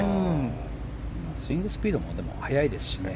スイングスピードも速いですしね。